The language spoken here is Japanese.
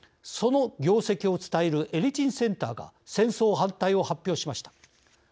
その業績を伝えるエリツィンセンターが戦争反対を発表しました。